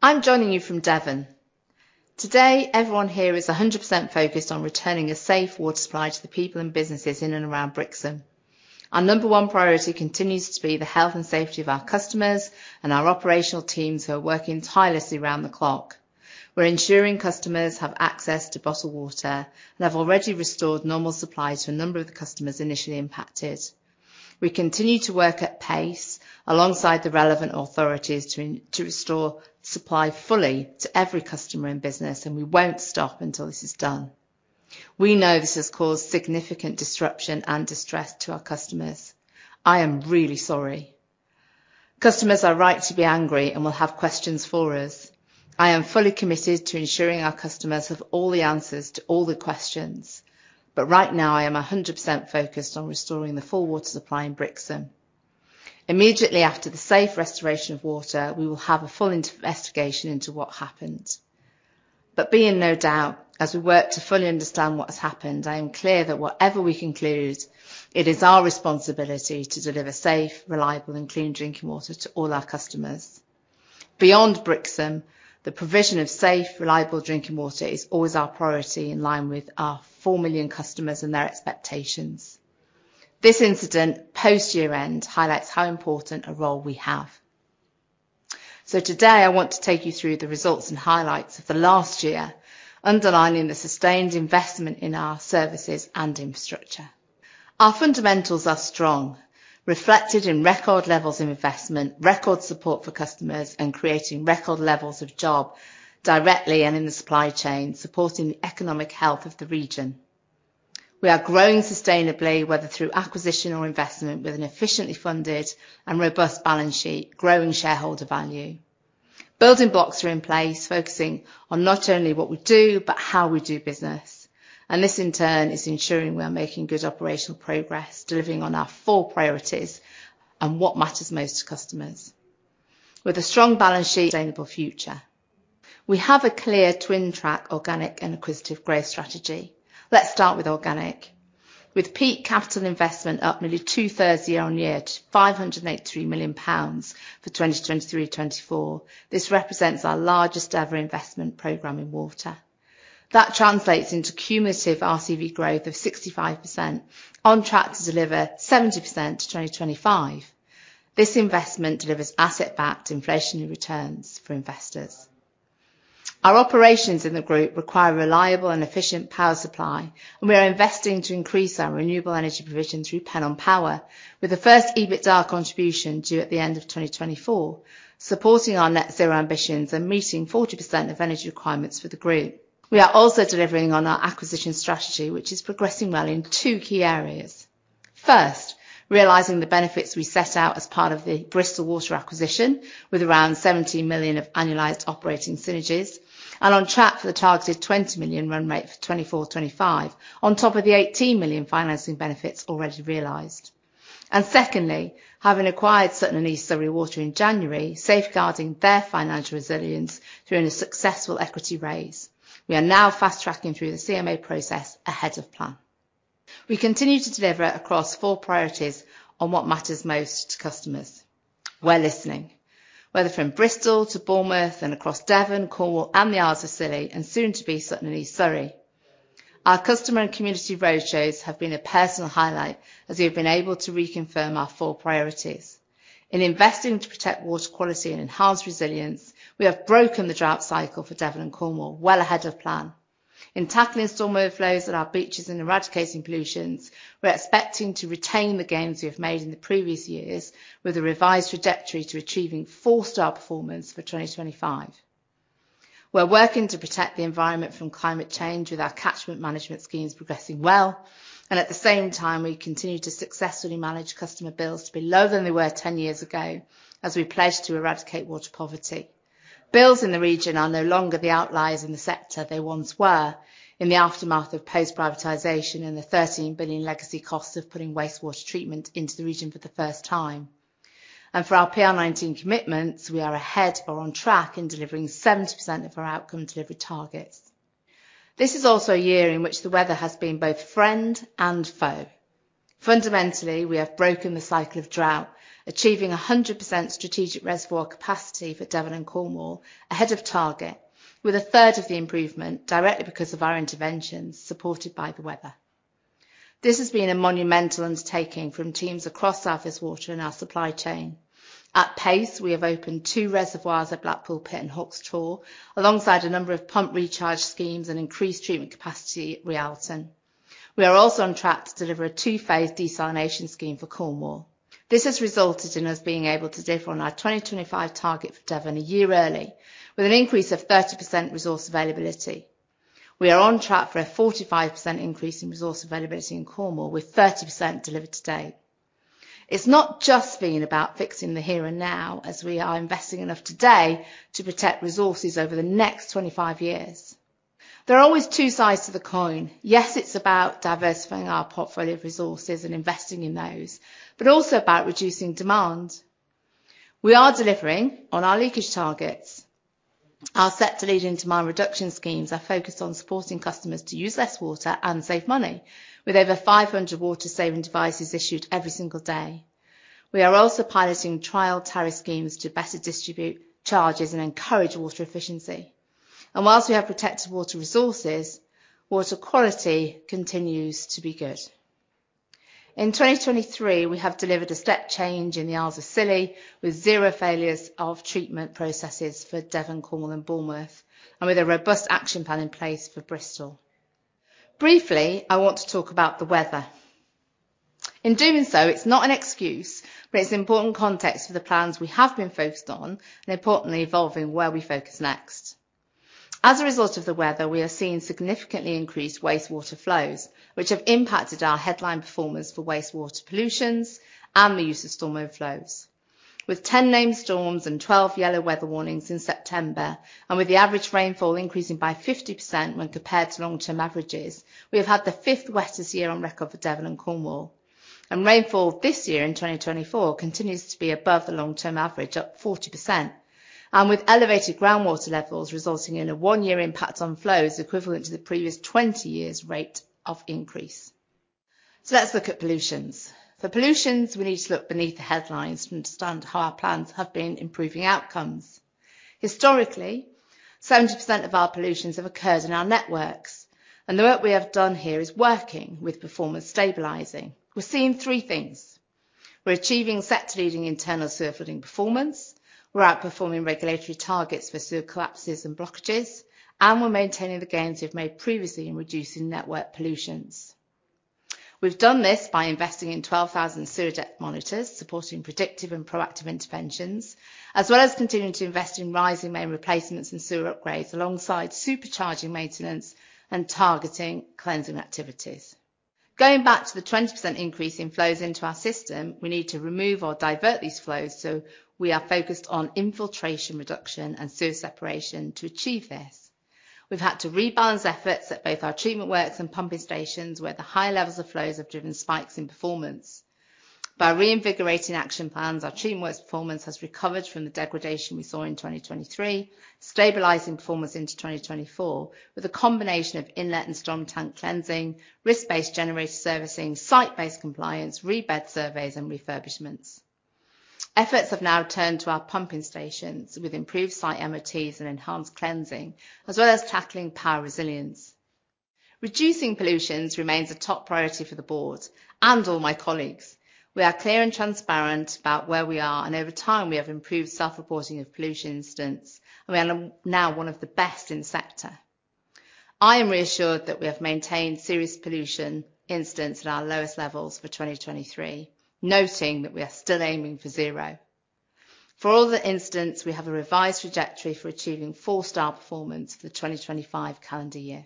I'm joining you from Devon. Today, everyone here is 100% focused on returning a safe water supply to the people and businesses in and around Brixham. Our number one priority continues to be the health and safety of our customers and our operational teams who are working tirelessly around the clock. We're ensuring customers have access to bottled water, and have already restored normal supply to a number of the customers initially impacted. We continue to work at pace, alongside the relevant authorities to restore supply fully to every customer and business, and we won't stop until this is done. We know this has caused significant disruption and distress to our customers. I am really sorry. Customers are right to be angry and will have questions for us. I am fully committed to ensuring our customers have all the answers to all the questions. But right now, I am 100% focused on restoring the full water supply in Brixham. Immediately after the safe restoration of water, we will have a full investigation into what happened. But be in no doubt, as we work to fully understand what has happened, I am clear that whatever we conclude, it is our responsibility to deliver safe, reliable, and clean drinking water to all our customers. Beyond Brixham, the provision of safe, reliable drinking water is always our priority, in line with our 4 million customers and their expectations. This incident, post-year-end, highlights how important a role we have. So today, I want to take you through the results and highlights of the last year, underlining the sustained investment in our services and infrastructure. Our fundamentals are strong, reflected in record levels of investment, record support for customers, and creating record levels of jobs directly and in the supply chain, supporting the economic health of the region. We are growing sustainably, whether through acquisition or investment, with an efficiently funded and robust balance sheet, growing shareholder value. Building blocks are in place, focusing on not only what we do, but how we do business, and this, in turn, is ensuring we are making good operational progress, delivering on our four priorities and what matters most to customers. With a strong balance sheet, sustainable future. We have a clear twin-track, organic and acquisitive growth strategy. Let's start with organic. With peak capital investment up nearly two-thirds year-on-year, to 583 million pounds for 2023/2024. This represents our largest-ever investment program in water. That translates into cumulative RCV growth of 65%, on track to deliver 70% to 2025. This investment delivers asset-backed inflationary returns for investors. Our operations in the group require reliable and efficient power supply, and we are investing to increase our renewable energy provision through Pennon Power, with the first EBITDA contribution due at the end of 2024, supporting our net zero ambitions and meeting 40% of energy requirements for the group. We are also delivering on our acquisition strategy, which is progressing well in two key areas. First, realizing the benefits we set out as part of the Bristol Water acquisition, with around 17 million of annualized operating synergies, and on track for the targeted 20 million run rate for 2024/2025, on top of the 18 million financing benefits already realized. Secondly, having acquired Sutton and East Surrey Water in January, safeguarding their financial resilience through a successful equity raise. We are now fast-tracking through the CMA process ahead of plan. We continue to deliver across four priorities on what matters most to customers. We're listening, whether from Bristol to Bournemouth and across Devon, Cornwall, and the Isles of Scilly, and soon to be Sutton and East Surrey. Our customer and community roadshows have been a personal highlight, as we have been able to reconfirm our four priorities. In investing to protect water quality and enhance resilience, we have broken the drought cycle for Devon and Cornwall well ahead of plan. In tackling storm overflows at our beaches and eradicating pollutions, we're expecting to retain the gains we have made in the previous years, with a revised trajectory to achieving four-star performance for 2025. We're working to protect the environment from climate change, with our catchment management schemes progressing well. At the same time, we continue to successfully manage customer bills to be lower than they were 10 years ago, as we pledged to eradicate water poverty. Bills in the region are no longer the outliers in the sector they once were in the aftermath of post-privatization and the 13 billion legacy costs of putting wastewater treatment into the region for the first time. For our PR19 commitments, we are ahead or on track in delivering 70% of our outcome delivery targets. This is also a year in which the weather has been both friend and foe. Fundamentally, we have broken the cycle of drought, achieving 100% strategic reservoir capacity for Devon and Cornwall ahead of target, with a third of the improvement directly because of our interventions, supported by the weather. This has been a monumental undertaking from teams across South West Water and our supply chain. At pace, we have opened 2 reservoirs at Blackpool Pit and Hawks Tor, alongside a number of pump recharge schemes and increased treatment capacity at Rialton. We are also on track to deliver a 2-phase desalination scheme for Cornwall. This has resulted in us being able to deliver on our 2025 target for Devon a year early, with an increase of 30% resource availability. We are on track for a 45% increase in resource availability in Cornwall, with 30% delivered to date. It's not just been about fixing the here and now, as we are investing enough today to protect resources over the next 25 years. There are always two sides to the coin. Yes, it's about diversifying our portfolio of resources and investing in those, but also about reducing demand. We are delivering on our leakage targets. Our sector-leading demand reduction schemes are focused on supporting customers to use less water and save money, with over 500 water-saving devices issued every single day. We are also piloting trial tariff schemes to better distribute charges and encourage water efficiency. And while we have protected water resources, water quality continues to be good. In 2023, we have delivered a step change in the Isles of Scilly, with zero failures of treatment processes for Devon, Cornwall, and Bournemouth, and with a robust action plan in place for Bristol. Briefly, I want to talk about the weather. In doing so, it's not an excuse, but it's important context for the plans we have been focused on, and importantly, evolving where we focus next. As a result of the weather, we are seeing significantly increased wastewater flows, which have impacted our headline performance for wastewater pollutions and the use of storm overflows. With 10 named storms and 12 yellow weather warnings in September, and with the average rainfall increasing by 50% when compared to long-term averages, we have had the 5th wettest year on record for Devon and Cornwall. Rainfall this year in 2024 continues to be above the long-term average, up 40%, and with elevated groundwater levels resulting in a 1-year impact on flows equivalent to the previous 20 years' rate of increase. So let's look at pollutions. For pollutions, we need to look beneath the headlines to understand how our plans have been improving outcomes. Historically, 70% of our pollutions have occurred in our networks, and the work we have done here is working with performance stabilizing. We're seeing three things: We're achieving sector-leading internal sewer flooding performance, we're outperforming regulatory targets for sewer collapses and blockages, and we're maintaining the gains we've made previously in reducing network pollutions. We've done this by investing in 12,000 sewer deck monitors, supporting predictive and proactive interventions, as well as continuing to invest in rising main replacements and sewer upgrades, alongside supercharging maintenance and targeting cleansing activities. Going back to the 20% increase in flows into our system, we need to remove or divert these flows, so we are focused on infiltration, reduction, and sewer separation to achieve this. We've had to rebalance efforts at both our treatment works and pumping stations, where the high levels of flows have driven spikes in performance. By reinvigorating action plans, our treatment works performance has recovered from the degradation we saw in 2023, stabilizing performance into 2024, with a combination of inlet and storm tank cleansing, risk-based generator servicing, site-based compliance, re-bed surveys, and refurbishments. Efforts have now turned to our pumping stations, with improved site MOTs and enhanced cleansing, as well as tackling power resilience. Reducing pollutions remains a top priority for the board and all my colleagues. We are clear and transparent about where we are, and over time, we have improved self-reporting of pollution incidents, and we are now one of the best in the sector. I am reassured that we have maintained serious pollution incidents at our lowest levels for 2023, noting that we are still aiming for zero. For all the incidents, we have a revised trajectory for achieving four-star performance for the 2025 calendar year.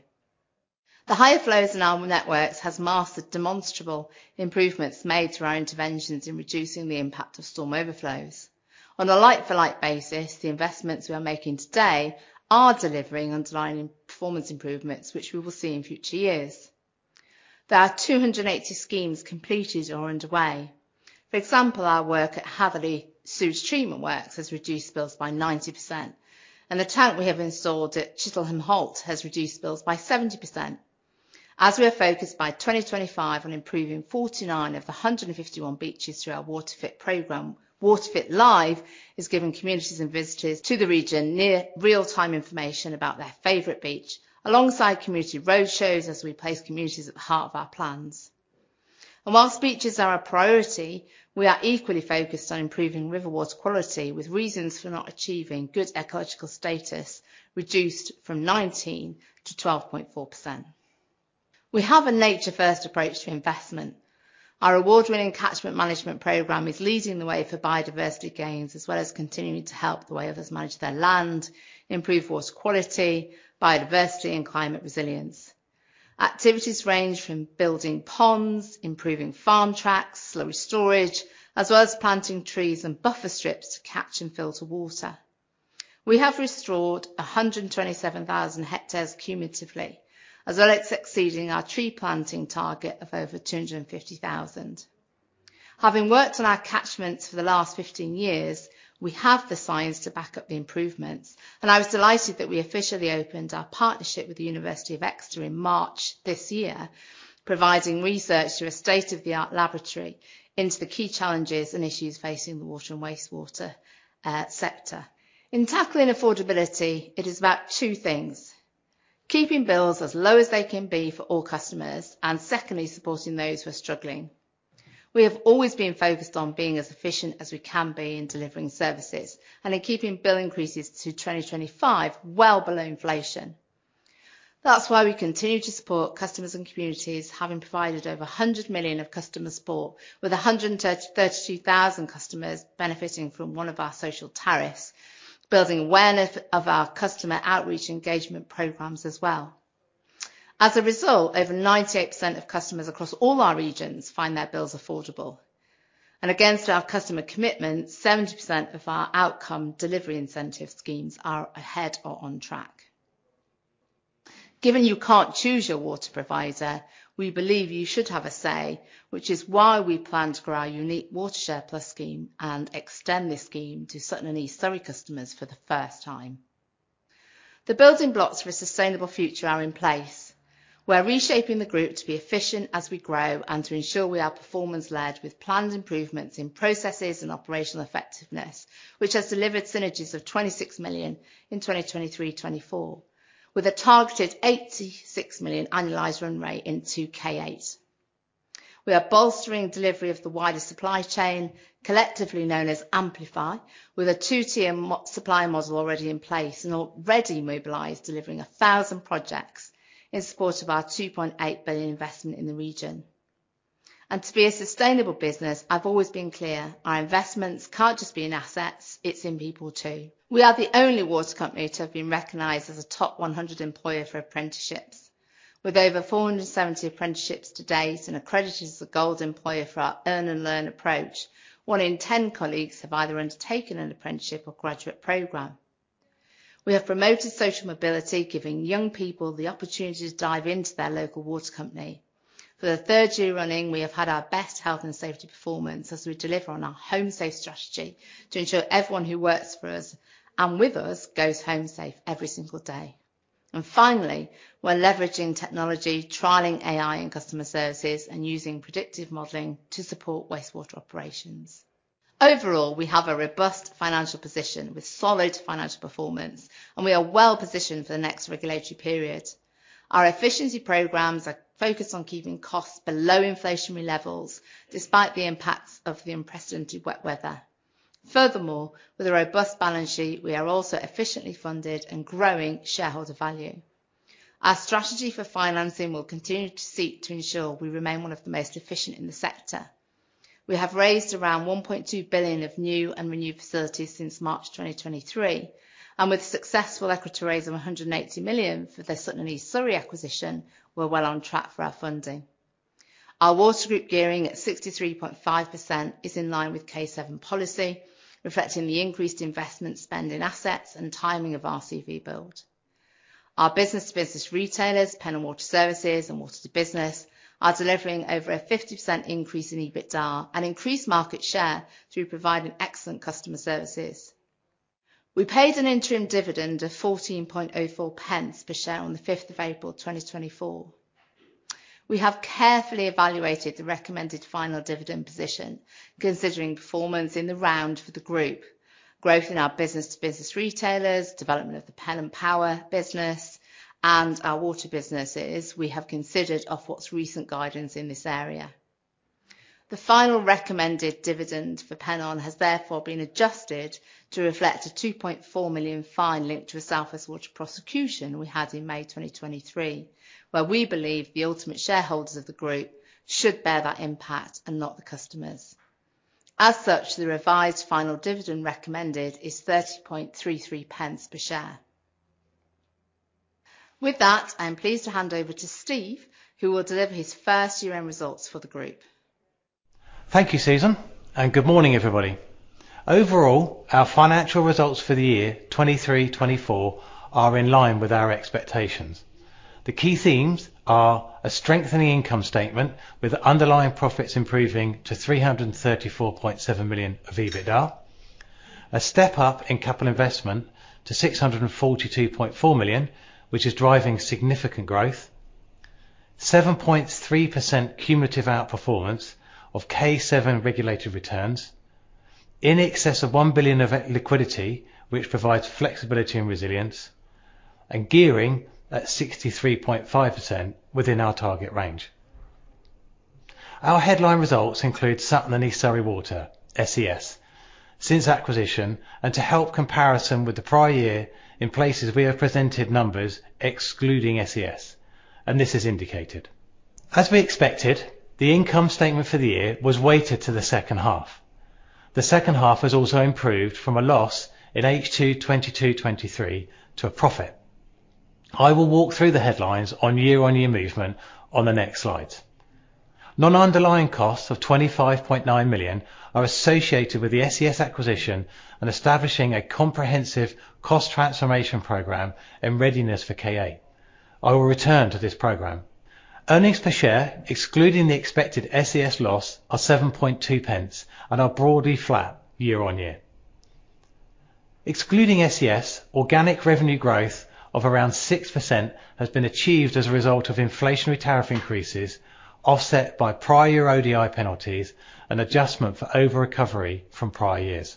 The higher flows in our networks has masked demonstrable improvements made through our interventions in reducing the impact of storm overflows. On a like-for-like basis, the investments we are making today are delivering underlying performance improvements, which we will see in future years. There are 280 schemes completed or underway. For example, our work at Hatherleigh Sewage Treatment Works has reduced spills by 90%, and the tank we have installed at Chittlehamholt has reduced spills by 70%. As we are focused by 2025 on improving 49 of the 151 beaches through our WaterFit program, WaterFit Live is giving communities and visitors to the region near real-time information about their favorite beach, alongside community roadshows, as we place communities at the heart of our plans. While beaches are a priority, we are equally focused on improving river water quality, with reasons for not achieving good ecological status reduced from 19 to 12.4%. We have a nature-first approach to investment. Our award-winning catchment management program is leading the way for biodiversity gains, as well as continuing to help the way others manage their land, improve water quality, biodiversity, and climate resilience. Activities range from building ponds, improving farm tracks, slurry storage, as well as planting trees and buffer strips to catch and filter water. We have restored 127,000 hectares cumulatively, as well as exceeding our tree planting target of over 250,000. Having worked on our catchments for the last 15 years, we have the science to back up the improvements, and I was delighted that we officially opened our partnership with the University of Exeter in March this year, providing research through a state-of-the-art laboratory into the key challenges and issues facing the water and wastewater sector. In tackling affordability, it is about two things: keeping bills as low as they can be for all customers, and secondly, supporting those who are struggling. We have always been focused on being as efficient as we can be in delivering services and in keeping bill increases to 2025 well below inflation. That's why we continue to support customers and communities, having provided over 100 million of customer support, with 132,000 customers benefiting from one of our social tariffs, building awareness of our customer outreach engagement programs as well. As a result, over 98% of customers across all our regions find their bills affordable. And against our customer commitment, 70% of our outcome delivery incentive schemes are ahead or on track. Given you can't choose your water provider, we believe you should have a say, which is why we plan to grow our unique WaterShare+ scheme and extend this scheme to certain East Surrey customers for the first time. The building blocks for a sustainable future are in place. We're reshaping the group to be efficient as we grow, and to ensure we are performance-led with planned improvements in processes and operational effectiveness, which has delivered synergies of 26 million in 2023, 2024, with a targeted 86 million annualized run rate into K8. We are bolstering delivery of the wider supply chain, collectively known as Amplify, with a two-tier supply model already in place and already mobilized, delivering 1,000 projects in support of our 2.8 billion investment in the region. And to be a sustainable business, I've always been clear, our investments can't just be in assets, it's in people, too. We are the only water company to have been recognized as a top 100 employer for apprenticeships. With over 470 apprenticeships to date, and accredited as a gold employer for our earn and learn approach, 1 in 10 colleagues have either undertaken an apprenticeship or graduate program. We have promoted social mobility, giving young people the opportunity to dive into their local water company. For the 3rd year running, we have had our best health and safety performance as we deliver on our Home Safe strategy to ensure everyone who works for us and with us goes home safe every single day. Finally, we're leveraging technology, trialing AI in customer services, and using predictive modeling to support wastewater operations. Overall, we have a robust financial position with solid financial performance, and we are well positioned for the next regulatory period. Our efficiency programs are focused on keeping costs below inflationary levels, despite the impacts of the unprecedented wet weather. Furthermore, with a robust balance sheet, we are also efficiently funded and growing shareholder value. Our strategy for financing will continue to seek to ensure we remain one of the most efficient in the sector. We have raised around 1.2 billion of new and renewed facilities since March 2023, and with a successful equity raise of 180 million for the Sutton and East Surrey acquisition, we're well on track for our funding. Our water group gearing at 63.5% is in line with K7 policy, reflecting the increased investment spend in assets and timing of RCV build. Our business-to-business retailers, Pennon Water Services and Water to Business, are delivering over a 50% increase in EBITDA and increased market share through providing excellent customer services. We paid an interim dividend of 14.04 pence per share on the 5th of April, 2024. We have carefully evaluated the recommended final dividend position, considering performance in the round for the group, growth in our business-to-business retailers, development of the Pennon Power business, and our water businesses, we have considered Ofwat's recent guidance in this area. The final recommended dividend for Pennon has therefore been adjusted to reflect a 2.4 million fine linked to a South West Water prosecution we had in May 2023, where we believe the ultimate shareholders of the group should bear that impact and not the customers. As such, the revised final dividend recommended is 30.33 pence per share. With that, I am pleased to hand over to Steve, who will deliver his first year-end results for the group. Thank you, Susan, and good morning, everybody. Overall, our financial results for the year 2023-2024 are in line with our expectations. The key themes are: a strengthening income statement, with underlying profits improving to 334.7 million of EBITDA. A step up in capital investment to 642.4 million, which is driving significant growth. 7.3% cumulative outperformance of K7 regulated returns. In excess of 1 billion of equity liquidity, which provides flexibility and resilience. And gearing at 63.5% within our target range. Our headline results include Sutton and East Surrey Water, SES. Since acquisition, and to help comparison with the prior year, in places, we have presented numbers excluding SES, and this is indicated. As we expected, the income statement for the year was weighted to the second half. The second half has also improved from a loss in H2 2022/23 to a profit. I will walk through the headlines on year-on-year movement on the next slide. Non-underlying costs of 25.9 million are associated with the SES acquisition and establishing a comprehensive cost transformation program and readiness for K8. I will return to this program. Earnings per share, excluding the expected SES loss, are 7.2 pence and are broadly flat year-on-year. Excluding SES, organic revenue growth of around 6% has been achieved as a result of inflationary tariff increases, offset by prior year ODI penalties and adjustment for over recovery from prior years.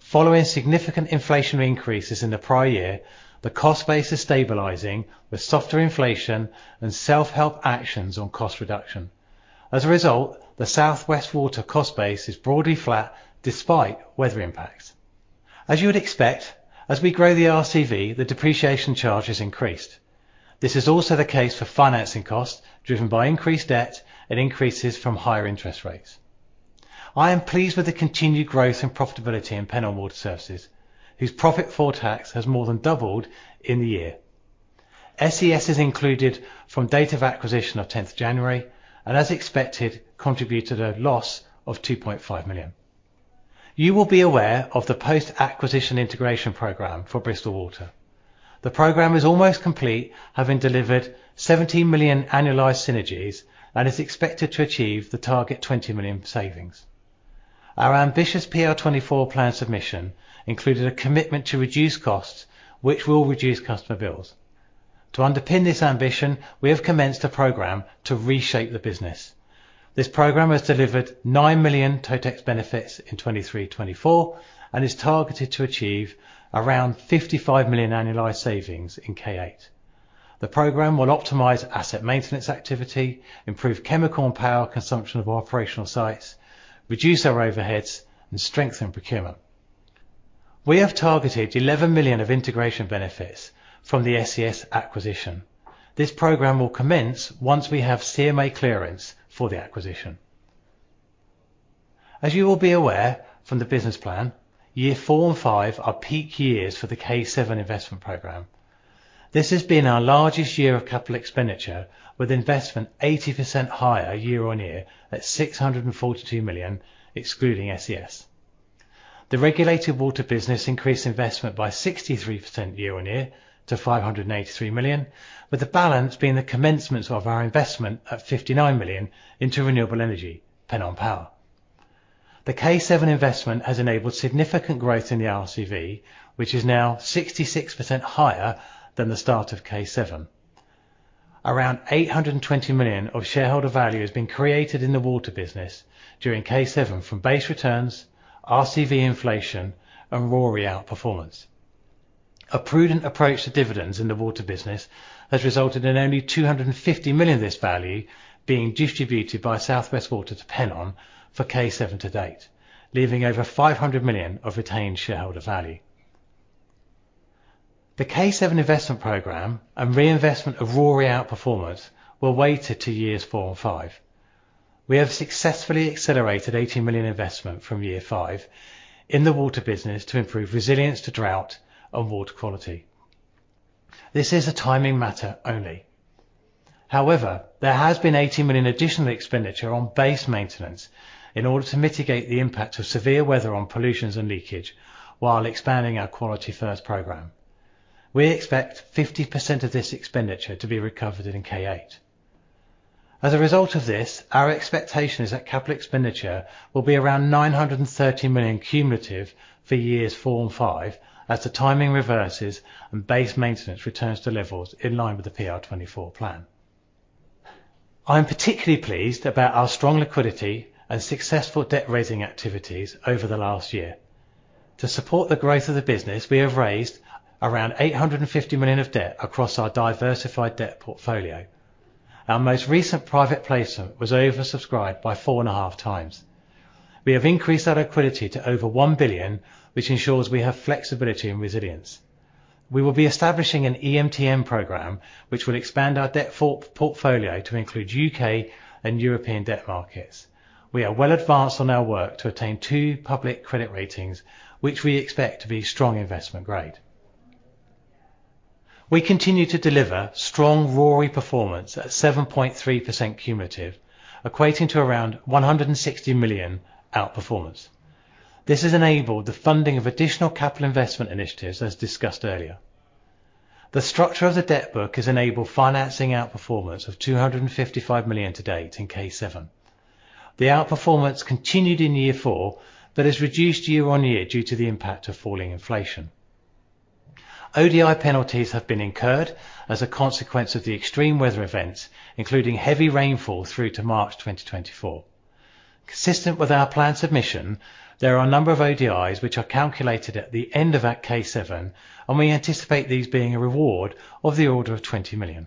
Following significant inflationary increases in the prior year, the cost base is stabilizing with softer inflation and self-help actions on cost reduction. As a result, the South West Water cost base is broadly flat, despite weather impacts. As you would expect, as we grow the RCV, the depreciation charge has increased. This is also the case for financing costs, driven by increased debt and increases from higher interest rates. I am pleased with the continued growth and profitability in Pennon Water Services, whose profit for tax has more than doubled in the year. SES is included from date of acquisition of 10th January, and as expected, contributed a loss of 2.5 million. You will be aware of the post-acquisition integration program for Bristol Water. The program is almost complete, having delivered 17 million annualized synergies and is expected to achieve the target 20 million savings.... Our ambitious PR24 plan submission included a commitment to reduce costs, which will reduce customer bills. To underpin this ambition, we have commenced a program to reshape the business. This program has delivered 9 million Totex benefits in 2023, 2024, and is targeted to achieve around 55 million annualized savings in K8. The program will optimize asset maintenance activity, improve chemical and power consumption of operational sites, reduce our overheads, and strengthen procurement. We have targeted 11 million of integration benefits from the SES acquisition. This program will commence once we have CMA clearance for the acquisition. As you will be aware, from the business plan, year four and five are peak years for the K7 investment program. This has been our largest year of capital expenditure, with investment 80% higher year-on-year, at 642 million, excluding SES. The regulated water business increased investment by 63% year-on-year to 583 million, with the balance being the commencement of our investment of 59 million into renewable energy, Pennon Power. The K7 investment has enabled significant growth in the RCV, which is now 66% higher than the start of K7. Around 820 million of shareholder value has been created in the water business during K7 from base returns, RCV inflation, and RoRE outperformance. A prudent approach to dividends in the water business has resulted in only 250 million of this value being distributed by South West Water to Pennon for K7 to date, leaving over 500 million of retained shareholder value. The K7 investment program and reinvestment of RoRE outperformance were weighted to years 4 and 5. We have successfully accelerated 80 million investment from year 5 in the water business to improve resilience to drought and water quality. This is a timing matter only. However, there has been 80 million additional expenditure on base maintenance in order to mitigate the impact of severe weather on pollution and leakage, while expanding our Quality First program. We expect 50% of this expenditure to be recovered in K8. As a result of this, our expectation is that capital expenditure will be around 930 million cumulative for years 4 and 5, as the timing reverses and base maintenance returns to levels in line with the PR24 plan. I'm particularly pleased about our strong liquidity and successful debt-raising activities over the last year. To support the growth of the business, we have raised around 850 million of debt across our diversified debt portfolio. Our most recent private placement was oversubscribed by 4.5 times. We have increased our liquidity to over 1 billion, which ensures we have flexibility and resilience. We will be establishing an EMTN program, which will expand our debt portfolio to include U.K. and European debt markets. We are well advanced on our work to attain two public credit ratings, which we expect to be strong investment grade. We continue to deliver strong RoRE performance at 7.3% cumulative, equating to around 160 million outperformance. This has enabled the funding of additional capital investment initiatives, as discussed earlier. The structure of the debt book has enabled financing outperformance of 255 million to date in K7. The outperformance continued in year 4, but has reduced year-on-year due to the impact of falling inflation. ODI penalties have been incurred as a consequence of the extreme weather events, including heavy rainfall through to March 2024. Consistent with our plan submission, there are a number of ODIs, which are calculated at the end of that K7, and we anticipate these being a reward of the order of 20 million.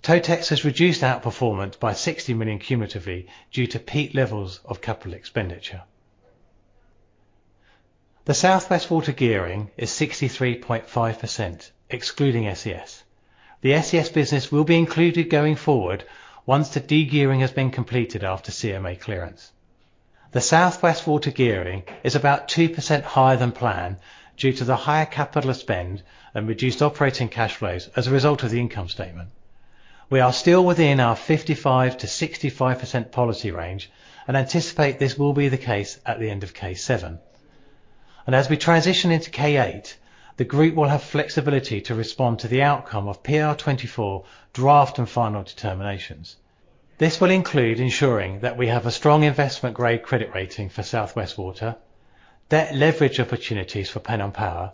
Totex has reduced outperformance by 60 million cumulatively, due to peak levels of capital expenditure. The South West Water gearing is 63.5%, excluding SES. The SES business will be included going forward once the de-gearing has been completed after CMA clearance. The South West Water gearing is about 2% higher than plan due to the higher capital spend and reduced operating cash flows as a result of the income statement. We are still within our 55%-65% policy range and anticipate this will be the case at the end of K7. As we transition into K8, the group will have flexibility to respond to the outcome of PR24 draft and final determinations. This will include ensuring that we have a strong investment-grade credit rating for South West Water, debt leverage opportunities for Pennon Power,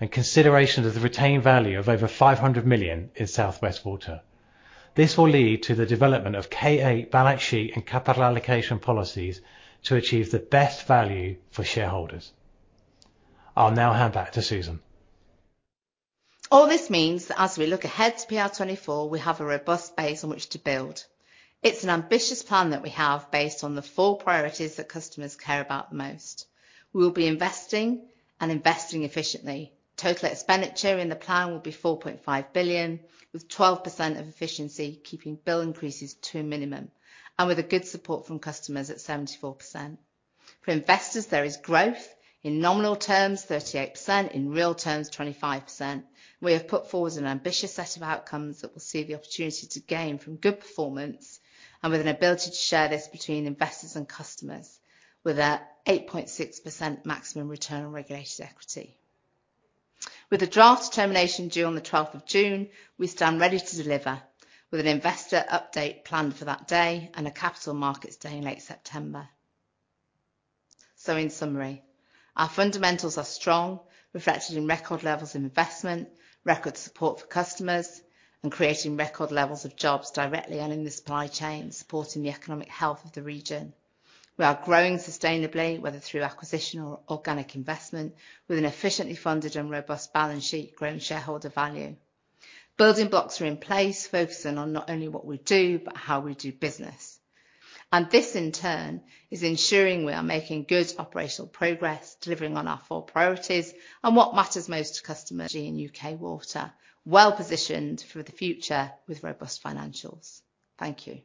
and consideration of the retained value of over 500 million in South West Water. This will lead to the development of K8 balance sheet and capital allocation policies to achieve the best value for shareholders. I'll now hand back to Susan. All this means that as we look ahead to PR24, we have a robust base on which to build. It's an ambitious plan that we have, based on the four priorities that customers care about the most. We will be investing and investing efficiently. Total expenditure in the plan will be 4.5 billion, with 12% of efficiency, keeping bill increases to a minimum, and with a good support from customers at 74%. For investors, there is growth. In nominal terms, 38%. In real terms, 25%. We have put forward an ambitious set of outcomes that will see the opportunity to gain from good performance and with an ability to share this between investors and customers, with a 8.6% maximum return on regulated equity. With a draft determination due on the twelfth of June, we stand ready to deliver, with an investor update planned for that day and a capital markets day in late September. In summary, our fundamentals are strong, reflected in record levels of investment, record support for customers, and creating record levels of jobs directly and in the supply chain, supporting the economic health of the region. We are growing sustainably, whether through acquisition or organic investment, with an efficiently funded and robust balance sheet, growing shareholder value. Building blocks are in place, focusing on not only what we do, but how we do business. This, in turn, is ensuring we are making good operational progress, delivering on our four priorities and what matters most to customers in U.K. Water, well positioned for the future with robust financials. Thank you.